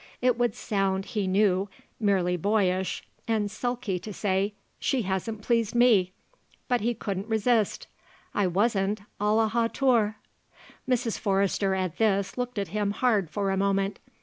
It would sound, he knew, merely boyish and sulky to say: "She hasn't pleased me." But he couldn't resist: "I wasn't à la hauteur." Mrs. Forrester, at this, looked at him hard for a moment.